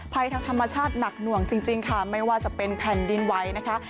ภัยทางธรรมชาติหนักหน่วงจริงค่ะไม่ว่าจะเป็นแผ่นดินไหวนะคะ